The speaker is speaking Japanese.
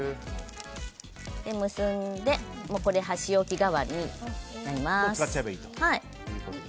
結んでもう箸置き代わりになります。